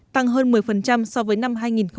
tăng hơn một mươi so với năm hai nghìn một mươi